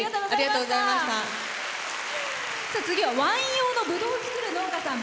次はワイン用のぶどうを作る農家さん。